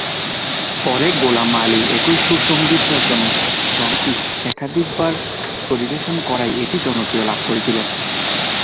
পরে গোলাম আলী একই সুর-সঙ্গীত রচনায় গানটি একাধিকবার পরিবেশন করায় এটি জনপ্রিয়তা লাভ করেছিল।